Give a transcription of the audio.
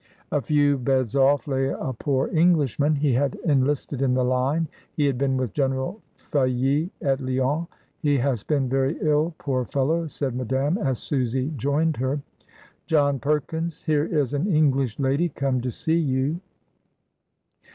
A few beds off lay a poor Englishman. He had enlisted in the line. He had been with General Failly at Lyons. "He has been very ill, poor fellow," said Madame, as Susy joined her. "John Perkins I herq is an English lady come to see you!"